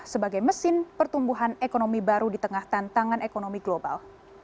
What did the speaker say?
sebagai mesin pertumbuhan ekonomi baru di tengah tantangan ekonomi global